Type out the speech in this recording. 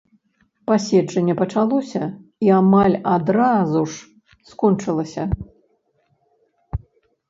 Паседжанне пачалося, і амаль адразу ж скончылася.